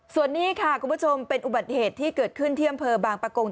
ส่วนนี้ค่ะคุณผู้ชมเป็นอุบัติเหตุที่เกิดขึ้นที่อำเภอบางปะกง